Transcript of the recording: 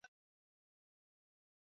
Naona maajabu kwa televisheni hii.